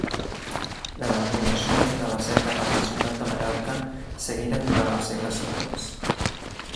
Les encunyacions de la seca de la Ciutat de Mallorca seguiren durant els segles següents.